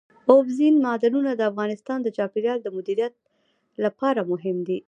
اوبزین معدنونه د افغانستان د چاپیریال د مدیریت لپاره مهم دي.